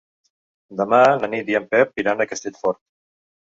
Demà na Nit i en Pep iran a Castellfort.